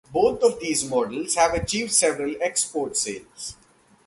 Both of these models have achieved several export sales.